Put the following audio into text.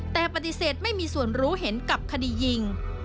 แต่ปฏิเสธไม่มีส่วนรู้เห็นกับคดียิง